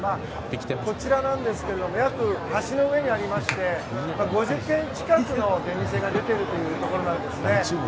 こちらなんですが橋の上にありまして５０軒近くの出店が出ているところなんですね。